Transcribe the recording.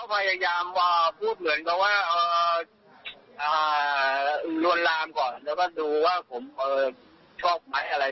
พยายามพูดเหมือนกับว่าลวนลามก่อนแล้วก็ดูว่าผมชอบไหมอะไร